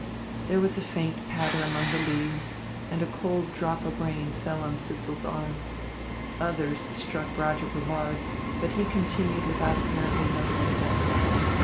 There was a faint patter among the leaves, and a cold drop of rain fell on Sidsall's arm. Others struck Roger Brevard but he continued without apparently noticing them.